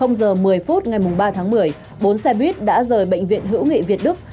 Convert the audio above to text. giờ một mươi phút ngày ba tháng một mươi bốn xe buýt đã rời bệnh viện hữu nghị việt đức